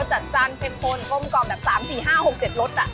รสจัดจานเผ็ดคนกลมกล่อมแบบ๓๔๕๖๗รสอะ